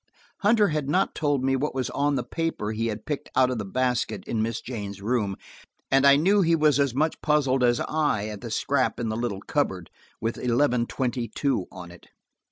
Hunter had not told me what was on the paper he had picked out of the basket in Miss Jane's room, and I knew he was as much puzzled as I at the scrap in the little cupboard, with eleven twenty two on it.